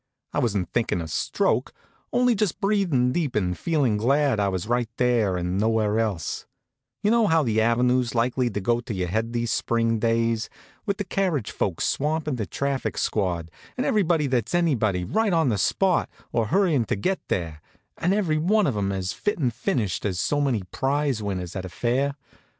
I wasn't thinkin' a stroke, only just breathin' deep and feelin' glad I was right there and nowhere else you know how the avenue's likely to go to your head these spring days, with the carriage folks swampin' the traffic squad, and everybody that is anybody right on the spot or hurrying to get there, and everyone of 'em as fit and finished as so many prize winners at a fair?